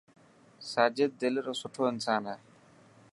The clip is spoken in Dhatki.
ساجد دل رو سٺو انسان هي.